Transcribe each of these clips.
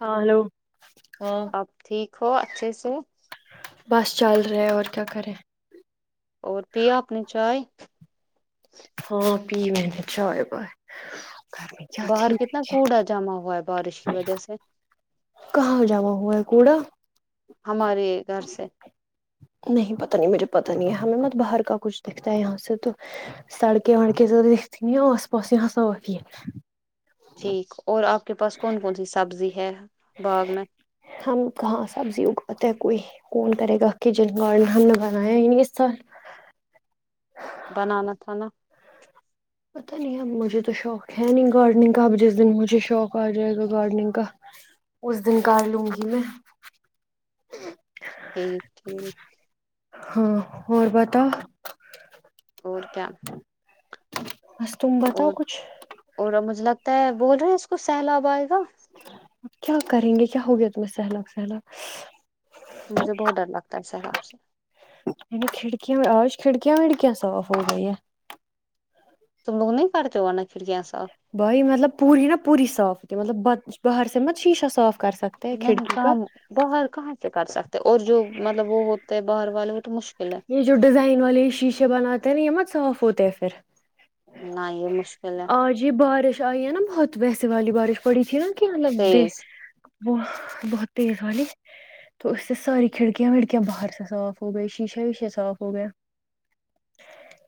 ہاں ہلو ہاں آپ ٹھیک ہو اچھے سے بس چل رہے ہیں اور کیا کریں اور پیا اپنے چائے ہاں پی میں نے چائے وائے باہر کتنا کوڑا جما ہوا ہے بارش کی وجہ سے کہاں جما ہوا ہے کوڑا ہمارے گھر سے نہیں پتہ نہیں مجھے پتہ نہیں ہے ہمیں مت باہر کا کچھ دیکھتا ہے یہاں سے تو سڑکیں وڑکے دیکھتی نہیں آس پاس یہاں سا آتی ہے ٹھیک اور آپ کے پاس کون کون سی سبزی ہے باغ میں ہم کہاں سبزی اگاتے ہیں کوئی کون کرے گا کہی کچن گارڈن ہم نے بنایا ہی نہیں اس سال بنانا تھا نا پتہ نہیں اب مجھے تو شوق ہے نہیں گارڈننگ کا اب جس دن مجھے شوق آ جائے گا گارڈننگ کا اس دن کر لوں گی میں یہی ٹھیک ہاں اور بتا اور کیا بس تم بتاؤ اور کچھ اور مجھے لگتا ہے بول رہے ہیں اس کو سہلاب آئے گا اب کیا کریں گے کیا ہو گیا تمہیں سیلاب سیلاب مجھے بہت ڈر لگتا ہے سیلاب سے کھڑکیاں آج کھڑکیا وڑکیا صاف ہو گئی ہے تم لوگ نہیں کرتے ہو [unintelligible] بھائی مطلب پوری نا پوری صاف ہوتی مطلب بچ باہر سے مت شیشا صاف کر سک نہیں کام باہر کہاں سے کر سک تے اور جو مطلب وہ ہوتے ہے باہر والے وہ تو مشکل ہے یے جو ڈیزائن والے شیشے بناتے ہیں نا یے مت صاف ہوتے ہیں پھر نہیں یے مشکل ہے آج ہی بارش آئی ہے نا بہت ویسے والی بارش پڑی تھی الگ تیز وہ بہت تیز والی تو اس سے ساری کھڑکیاں وڑکیاں باہر سے صاف ہو گئی شیشا ویشا صاف ہو گیا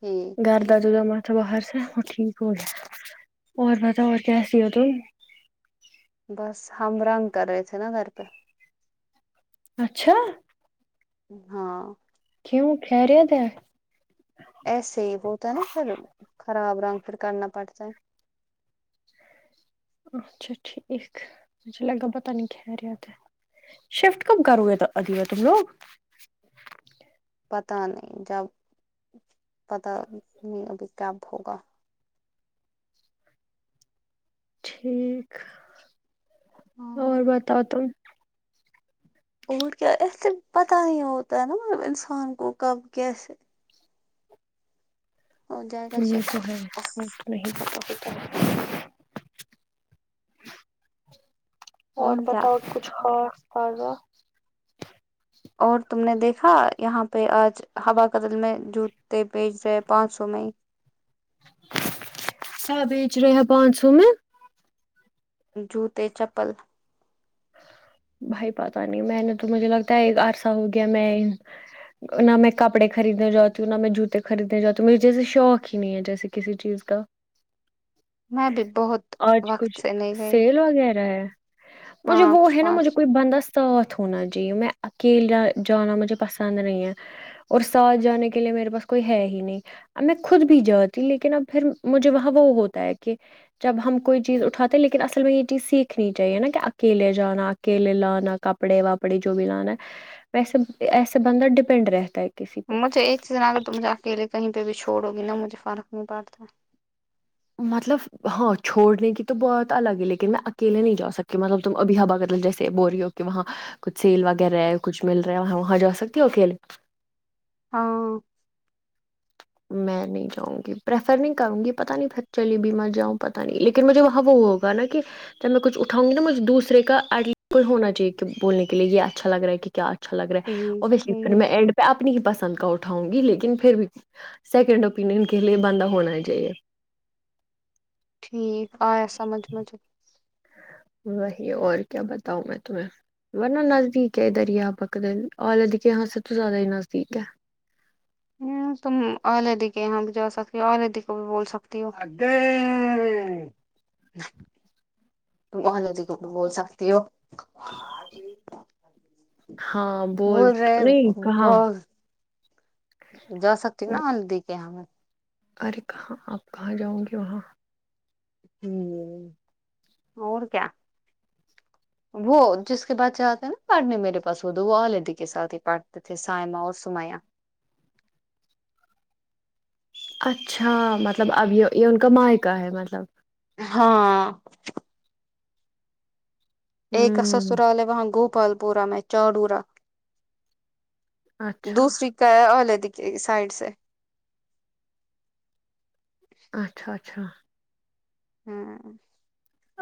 ٹھیک گھرد ٹھیک [unintelligible] میں باہر سے وہ ٹھیک ہو گیا اور بتا اور کیسی ہو تم بس ہم رنگ کر رہے تھے نا گھر پے اچھا ہاں کیوں خیریت ہے ایسے ہی ہوتا ہے نا پھر خراب رنگ پھر کرنا پڑتا ہے اچھا ٹھیک مجھے لگا پتہ نہیں خیریت ہے شفٹ کب کرو گے تو ادیبہ تم لوگ پتہ نہیں جب پتہ نہیں ابھی کب ہوگا ٹھیک اور ہاں بتاؤ تم اور کیا ایسے پتہ نی ہوتا ہے نا مطلب انسان کو کب کیسے ہو جائے گا پھر یے تو شفٹ ہے نہیں [unintelligible] اور بتاؤ کچھ خاص تازہ اور تم نے دیکھا یہاں پے آج ہوا قتل میں جوتے بیچ رہے پانچ سو میں ہی سب بیچ رہے ہیں پانچ سو میں جوتے چپل بھائی پتہ نہیں میں نے تو مجھے لگتا ہے ایک عرصہ ہو گیا میں نہ میں کپڑے خریدنے جاتی ہوں نہ میں جوتے خریدنے جاتی ہوں مجے جیسے شوق ہی نہیں ہے جیسے کسی چیز کا میں بھی بہت آج وقت کچھ سے نہیں گئی سیل وغیرہ ہے مجھے ہاں وہ کچھ ہے نا مجھے پانچ کوئی بندست ساتھ ہونا چاہیے میں اکیلا جانا مجھے پسند نہیں ہے اور ساتھ جانے کے لیے میرے پاس کوئی ہے ہی نہیں اب میں خود بھی جاتی ہ لیکن اب پھر مجھے وہاں وہ ہوتا ہے کہ جب ہم کوئی چیز اٹھاتے لیکن اصل میں یے چیز سیکھنی چاہیے نا کہ کیلے جانا اکیلے لانا کپڑے واپڑے جو بھی لانا ہے ویسے ایسا بندہ ڈپینڈ رہتا ہے کسی پہ مجھے ایک چیز نا اگر تو مجھے اکیے کہیں پے بھی چھوڑو گی نا مجھے فرق نہیں پڑتا مطلب ہاں چھوڑنے کی تو بات الگ ہے لیکن میں اکیلے نہیں جا سکتی مطلب تم ابھی [unintelligible] جیسے بول رہی ہو کہ وہاں کچھ سیل وغیرہ ہے کچھ مل رہا ہے وہاں وہاں جا سکتی ہو اکیلے ہاں میں نہیں جاؤں گی پریفر نہیں کروں گی پتا نہیں چلیے بھی مت جاؤں پتہ نہیں لیکن مجھے وہاں وہ گنا کہ جب میں کچ اٹھاؤ گی نا مجھ دوسرے کا ایٹ ہونا چاہی کی بولنے کے لیے یے اچھا لگ رہا ہے کی کیا اچھا لگ رہا ہے ٹھیک وسے پھر میں ٹھیک ینڈ میں اپنی ہی پسند کا اٹھاؤں گی لیکن پھر بھی سیکنڈ اوپینین کے لیے بندہ ہونا ہی چاہیے ٹھیک آیا سمجھ مجھے وہی اور کیا بتاؤں میں تمہیں ورنہ نزدیک ہے دریا بک دل آلد کے یہاں سے تو زیادہ ہی نزدیک ہے ہمم تم آلیدی کے یہاں بھی جا سکتی ہو آلیدی کو بھی بول سکتی ہو اہلہ دی کو بھی بول سکتی ہو ج ہاں بول نہیں کہاں بہت جا سکتی ہوں نا اہلادی کے یہاں ارے کہاں آپ کہاں جاؤ گی وہاں ہمم اور کیا وہ جس کے بچے آتے ہے نا پڑھنے میرے پاس وہ دو آلدی کے سات ہی پڑ تے تھے سائما اور سمایا اچھا مطلب اب یے یے ان کا مائکا ہے مطلب ہاں ایک کا ہوں سسرال ہے وہاں گوپال پورا میں چاڈورا اچھا دوسری کا ہے آلادی سائڈ سے اچھا اچھا ہاں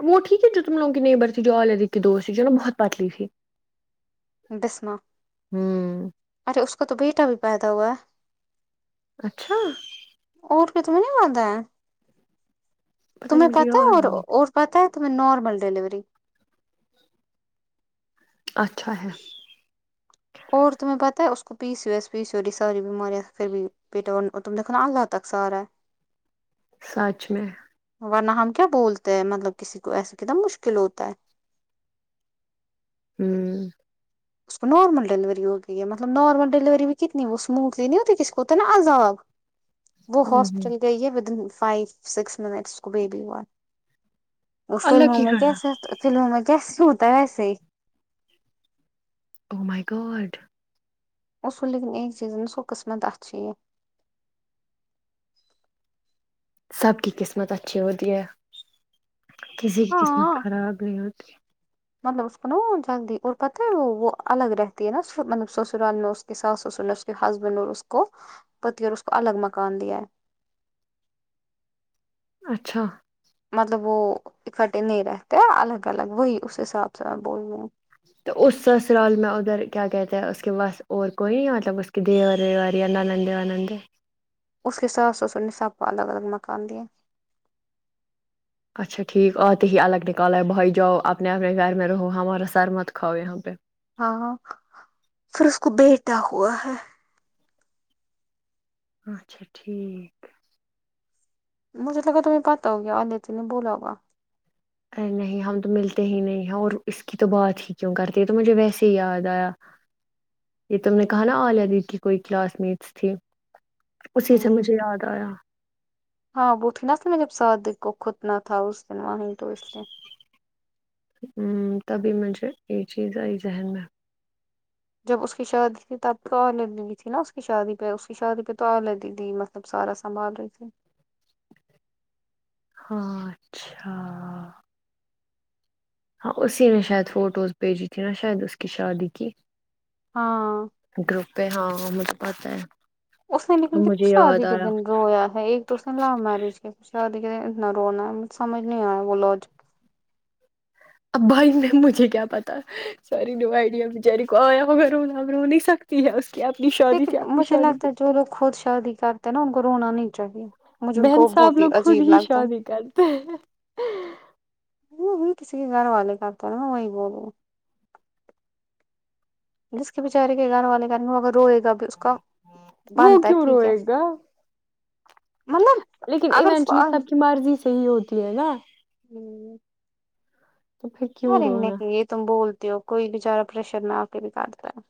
وہ ٹھیک ہے جو تم لوگ کی نیبر تھی جو آلادی کی دوست تھی جو نا بہت پتلی تھی بسمہ ہمم ارے اس کا تو بیٹا بھی پیدا ہوا ہے اچھا اور کیا تمہیں نہیں پتہ ہے نہیں تمہیں مجھے پتہ ہے یاد اور ہی نہیں اور پتہ ہے تمہیں نارمل ڈیلیوری اچھا ہے اور تمہیں پتہ ہے اس کو P saves S P C O D ساری بیماریاں پھر بھی [unintelligible] تک سارا سچ میں ورنہ ہم کیا بولتے ہیں مطلب کسی کو ایسے کتنا مشکل ہوتا ہے ہمم اس کو نارمل ڈللیوری ہو گئی ہے مطلب نارمل ڈیلیوری بھی کتنی وہ سموتھلی نہیں ہوتی کس کو تو نا عذاب وہ ہوں ہاسپٹل گئی ہے ودن فائیو سکس منٹس کو بےبی ہوا وہ اللہ فلموں کی میں کر، کیس فلموں میں کیس سے ہوتا ویسے ہی او مائی گاڈ اس کو لیکن ایک چیز میں اس کو قسمت اچھی ہے سب کی قسمت اچھی ہوتی ہے کسی کی ہاں قسمت خراب نہیں ہوتی مطلب اس کو نا جلدی اور پتہ ہے وہ الگ رہتی ہے نا مطلب سسرال میں کے ساس سسر نے اس کے ہسبینڈ اور اس کو پتی اور اس کو الگ مکان دیا ہے اچھا مطلب وہ اکٹھے نہیں رہتے الگ الگ وہی اس حساب سے میں بول رہی ہوں تو اس سسرال میں ادھر کیا کہتے ہیں اس کے پاس اور کوئی نہیں مطلب اس کے دیور ویور اور یا نندیں ونندیں اسس کے ساس سسر نے سب کو الگ الگ مکان دیا ہے اچھا ٹھیک اتے ہی الگ نکل بھائی جاؤ اپنے اپنے گھر میں رہو ہمارا سر مت کھاؤ یہاں پے ہاں ہاں پھر اس کو بیٹا ہوا ہے اچھا ٹھیک مجھے لگا تمہیں پتہ ہو گا الادی نے بولا ہوگا ارے نہیں ہم تو ملتے ہی نہیں ہیں اور اس کی تو بات ہی کیوں کرتے ہے تو مجھے ویسے ہی یاد آیا یے تم نے کہا نا عالیہ دی کی کوئی کلاس میٹس تھی اسی سے ہ مجھے یاد آیا ہاں [unintelligible] ہمم تبھی مجھے یے چیز آئی ذہن میں جب اس کی شادی تھی تب تو الیہ نہیں تھی نا اس کی شادی پے اس کی شادی الیہ دیدی نہ تب سارا سنبھال رہے تھی ہاں اچھا ہاں اسی نے شاید فوٹوز بھیجی تھی نا شاید اس کی شادی کی ہاں گروپ پے ہے ہاں مجھے پتہ ہے اس نے اب نکل مجھے یاد شادی کے آیا دن رویا ہے ایک تو اسنے لوومیریج کی شادی کے دن اتنا رونا مجھے سمجھ نہیں آیا وہ لاجک اب بھائی میں مجھے کیا پتہ سارے دو ائڈیا بچاری کو آیا ہوگا رونا رو نہیں سکتی ہے کہ اپنی شاک لیکن مجھے لگتا ہے جو لوگ خود شادی کرتے ہیں نا ان کو رونا نہیں چاہیے مجھے ان بہن کو صاحب بہت ہی لوگ خود عجیب ہی لگتا ہے شادی کرتے ہیں وہ وہ کسی کے گھر والے کرتے ہیں نہ وہی بولو جس کے بےچارے کے گھر والے کرنے والے ہوگے روئے گا بھی اس کا وہ بنتا ہے کیوں ٹھیک ہے روئے گا مطلب لیکن اگر ایونچولی سب کی مرضی سے ہی ہوتی ہے نا ہمم تو پھر اور کیوں ان میں رونا سے یے تم بولتے ہو کوئی بچارہ پریشر آ کے نکالتا ہے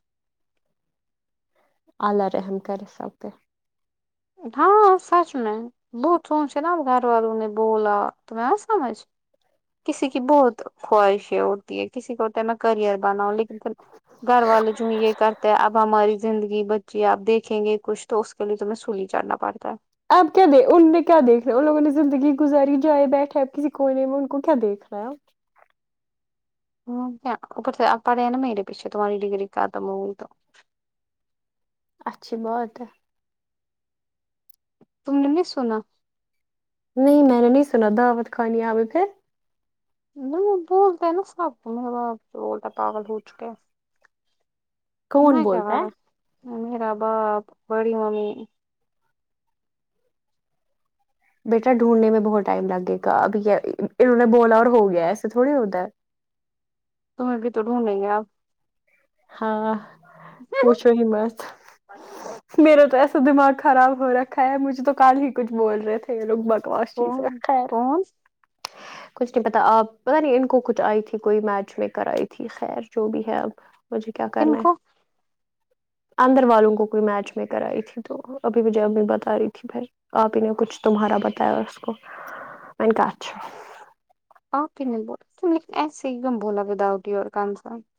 الله رحم کر سکتے ہاں سچ میں بہت سوچ نا گھر والوں نے بولا تمہیں آیا سمجھ کسی کی بہت خواہشیں ہوتی ہے کسی کو میں کریئر بناؤ لیکن پھر گھر والے جو یے کرتے ہیں اب ہماری زندگی بچہ آپ دیکھیں گے کچھ تو اس کے لیے تمہیں سولی چڑھنا پڑتا ہے اب کیا دیک ان نے کیا دیکھنا ہے ان لوگوں نے زندگی گزاری جائے بیٹھے اپ کسی کونے میں ان کو ہمم کیا اوپر سے پڑے ہیں نہ میرے پیچھے تمہاری ڈگری ختم ہو اچھی بات ہے تم نے نہیں سنا نہیں میں نے نہیں سنا دعوت خانی آیا تھے وہ بولتا ہے نا سب کو آپ سے بولتا ہے پاگل ہو چکے ہے کون میں کیا بولتا ہے کروں میرا باپ بڑی ممی بیٹا ڈھونڈنے میں بہت ٹائم لگے گا اب انہوں نے بولا اور ہو گیا ایسے تھوڑی ہوتا ہے تمہیں بھی تو ڈھونڈیں گے اب ہاں پوچھو ہی مت میرا تو ایسا دماغ خراب ہو رکھا ہے مجھے تو کل ہی کچھ بول رہے تھے یے لوگ بکواس چیزیں کون خیر کون کچھ نہیں پتا آپ پتہ نہیں ان کو کچھ آئی تھی کوئی میچ لےکر آئی تھی خیر جو بھی ہے اب مجھے کیا ان کرنا ہے کو اندر والوں کو کوئی میچ لےکر آئی تھی تو ابھی مجھے امی بتا رہی تھی پھر آپی نے کچھ تمہارا بتایا اس کو میں نے کہا اچھا آپ ہی نہیں بولا پھر میں ایسے ایک دم بولا [unintelligible]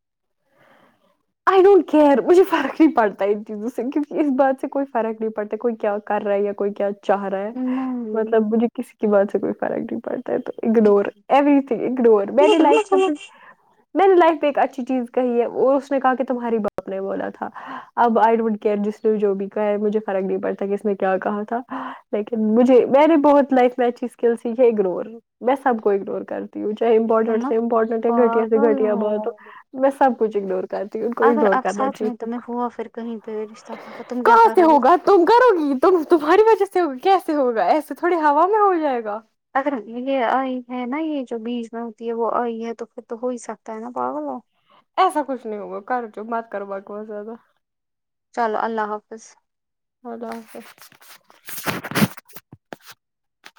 آئی ڈونٹ کیئر مجھے فرق نہیں پڑتا ہے جس انگل سے اس بات سے کوئی فرق نہیں پڑتا کوئی کیا کر رہا ہے یہ کوئی کیا چاہ رہا ہے نہیں مطلب مجھے کسی کی بات سے کوئی فرق نہیں پڑتا ہے تو اگنور ایوری تھنگ اگنور میری لائف میں میں نے لائف پے ایک اچھی چیز کہی ہے اور اس نے کہا کہ تمہاری باپ نے بولا تھا اب آئی ڈونٹ کیئر جس نے جو بھی کہا ہے مجھے فرق نہیں پڑتا کس نے کیا کہا تھا لیکن مجھے میری بہت لائف میں اچھی سکلز یے اگنور میں سب کو اگنور کر ہوں چاہے امپورٹنٹ تم سے امپورٹنٹ یا گھٹیا سے گھٹیا بات ہو میں سب کچھ اگنور کرتی ہوں ان کو اگر اگنور اب کرنا سچ چاہیے میں تو سب تمہے کو ہوا پھر کہیں پے رشتہ قتم تم کیا کہاں سے کرو گی ہوگا تم کروگی تمہاری وجہ سے ہوگی کیسے ہوگا ایسے تھوڑی ہوا میں ہو جائے گا اگر یے آئی ہے نا یےجو بیچ میں ہوتی ہے وہ آئی ہے تو پھر تو ہو ہی سکتا ہے نہ پاگل ہے ایسا کچھ نہیں ہوگا کر جو بات کر بکوا زیادہ چل اللہ حافظ اللہ حافظ